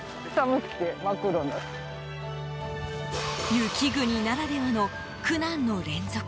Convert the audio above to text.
雪国ならではの苦難の連続。